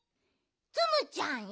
ツムちゃんへ。